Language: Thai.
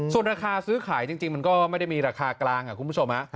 ส่วนราคาซื้อขายจริงมันก็ไม่ได้มีราคากลางคุณผู้ชม